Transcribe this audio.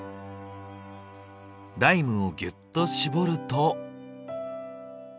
ライムをギュッと搾ると。